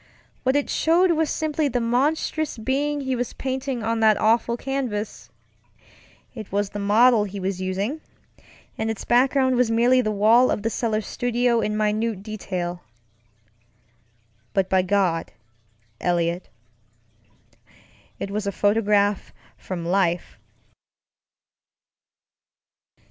What it showed was simply the monstrous being he was painting on that awful canvas. It was the model he was usingŌĆöand its background was merely the wall of the cellar studio in minute detail. But by God, Eliot, it was a photograph from life.